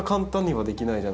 はい。